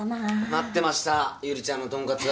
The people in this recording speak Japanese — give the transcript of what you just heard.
待ってましたゆりちゃんのとんかつ！